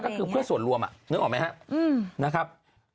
มันก็คือเพื่อส่วนร่วมนึกออกไหมครับ